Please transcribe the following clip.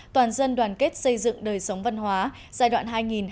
toàn dân đoàn kết xây dựng đời sống văn hóa giai đoạn hai nghìn hai nghìn một mươi năm